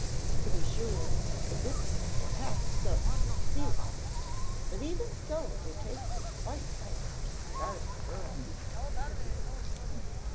To be sure, the biscuits were half soaked with sea water, but even so they tasted quite nice to a starving girl.